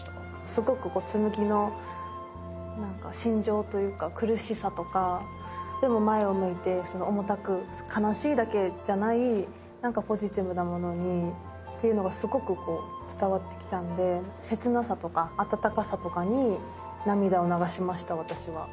すごくこう紬の何か心情というか苦しさとかでも前を向いて重たく悲しいだけじゃない何かポジティブなものにっていうのがすごくこう伝わってきたんで切なさとか温かさとかに。